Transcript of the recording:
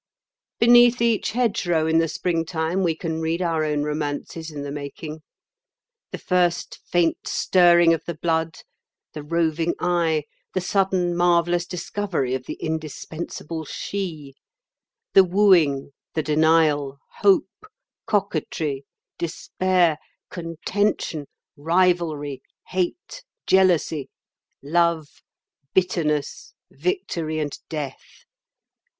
Beneath each hedgerow in the springtime we can read our own romances in the making—the first faint stirring of the blood, the roving eye, the sudden marvellous discovery of the indispensable She, the wooing, the denial, hope, coquetry, despair, contention, rivalry, hate, jealousy, love, bitterness, victory, and death.